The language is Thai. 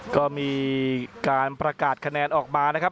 ก็มีการประกาศคะแนนออกมานะครับ